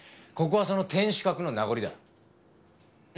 ここはその天守閣の名残だ。